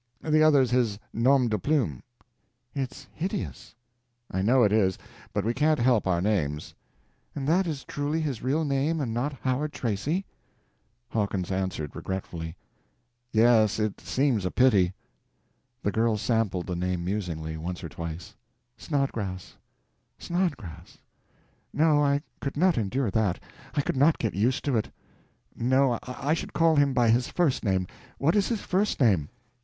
The other's his nom de plume." "It's hideous!" "I know it is, but we can't help our names." "And that is truly his real name—and not Howard Tracy?" Hawkins answered, regretfully: "Yes, it seems a pity." The girl sampled the name musingly, once or twice— "Snodgrass. Snodgrass. No, I could not endure that. I could not get used to it. No, I should call him by his first name. What is his first name?"